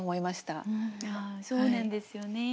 そうなんですよね。